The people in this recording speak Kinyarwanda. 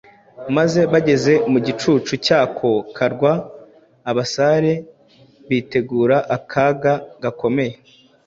maze bageze mu gicucu cyako karwa abasare bitegura akaga gakomeye.